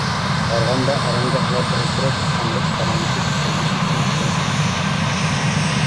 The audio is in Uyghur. ھارغاندا ئارامگاھلاردا ئولتۇرۇپ قانغىچە پاراڭلىشىپ، كەلگۈسى ئۈچۈن پىلان سوقۇشتۇق.